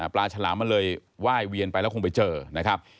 ฉลามมันเลยไหว้เวียนไปแล้วคงไปเจอนะครับ